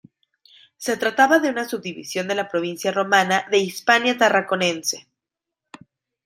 Se trataba de una subdivisión de la provincia romana de Hispania Tarraconense.